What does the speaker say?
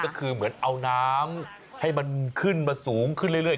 ก็คือเหมือนเอาน้ำให้มันขึ้นมาสูงขึ้นเรื่อย